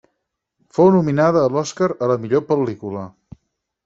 Fou nominada a l'Oscar a la millor pel·lícula.